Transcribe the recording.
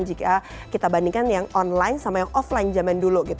jika kita bandingkan yang online sama yang offline zaman dulu gitu